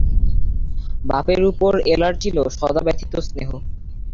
বাপের উপর এলার ছিল সদাব্যথিত স্নেহ।